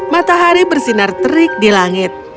matahari bersinar terik di langit